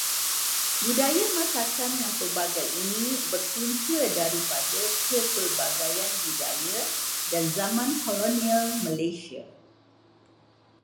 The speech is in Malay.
Budaya masakan yang pelbagai ini berpunca daripada kepelbagaian budaya dan zaman kolonial Malaysia.